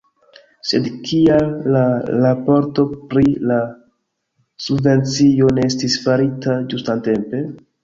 Sed kial la raporto pri la subvencio ne estis farita ĝustatempe?